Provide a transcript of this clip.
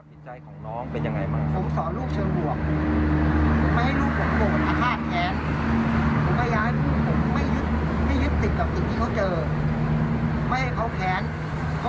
อีกรอบจนตอนเนี้ยผมต้องกลับไปเดินหาชาญสุทธิ์